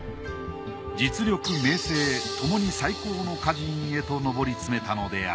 実力名声ともに最高の歌人へと上り詰めたのである。